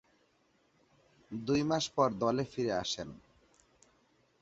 দুই মাস পর দলে ফিরে আসেন।